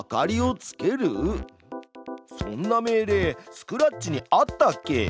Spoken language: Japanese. そんな命令スクラッチにあったっけ？